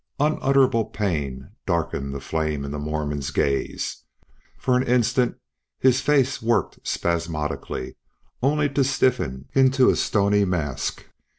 Unutterable pain darkened the flame in the Mormon's gaze. For an instant his face worked spasmodically, only to stiffen into a stony mask.